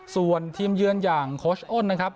ส่วนทีมเยือนอย่างโค้ชอ้นนะครับ